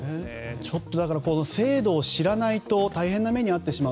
ちょっと制度を知らないと大変な目に遭ってしまう。